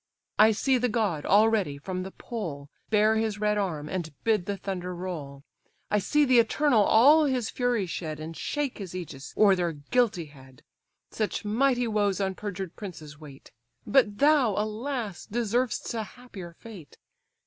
I see the god, already, from the pole Bare his red arm, and bid the thunder roll; I see the Eternal all his fury shed, And shake his ægis o'er their guilty head. Such mighty woes on perjured princes wait; But thou, alas! deserv'st a happier fate.